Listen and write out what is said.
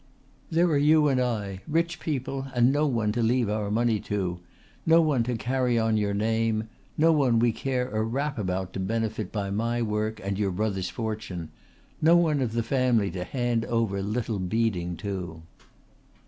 There are you and I, rich people, and no one to leave our money to no one to carry on your name no one we care a rap about to benefit by my work and your brother's fortune no one of the family to hand over Little Beeding to."